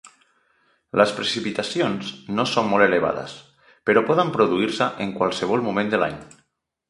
Les precipitacions no són molt elevades, però poden produir-se en qualsevol moment de l'any.